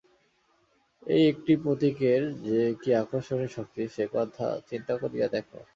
এই একটি প্রতীকের যে কি আকর্ষণী শক্তি, সে-কথা চিন্তা করিয়া দেখ।